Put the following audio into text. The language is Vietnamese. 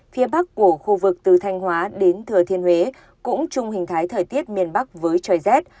phía bắc của khu vực từ thanh hóa đến thừa thiên huế cũng chung hình thái thời tiết miền bắc với trời rét